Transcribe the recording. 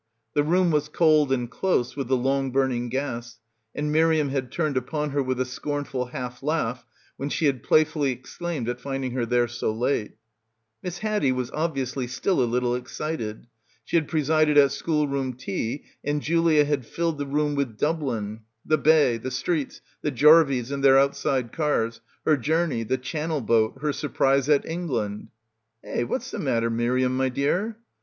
The room was cold and close with the long burning gas, and Miriam had turned upon her with a scornful half laugh when she had playfully exclaimed at finding her there so late. Miss Haddie was obviously still a little excited. She had presided at schoolroom tea and Julia had filled the room with Dublin — the bay, the streets, the jarveys and their outside cars, her journey, the channel boat, her surprise at England. "Eh, what's the matter, Miriam, my dear?"